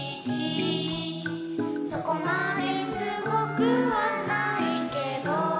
「そこまですごくはないけど」